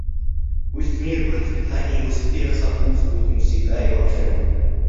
Пусть мир, процветание и успех сопутствуют им всегда и во всем.